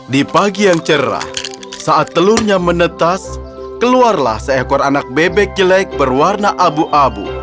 di pagi yang cerah saat telurnya menetas keluarlah seekor anak bebek jelek berwarna abu abu